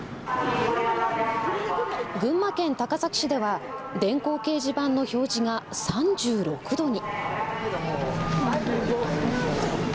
群馬県高崎市では電光掲示板の表示が３６度に。